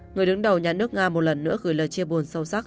người đứng đầu nhà nước nga một lần nữa gửi lời chia buồn sâu sắc